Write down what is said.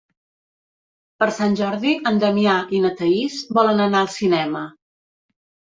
Per Sant Jordi en Damià i na Thaís volen anar al cinema.